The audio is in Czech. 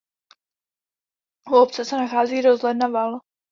U obce se nachází rozhledna Val.